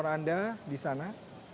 pantulannya di sana